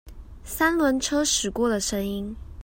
三輪車駛過的聲音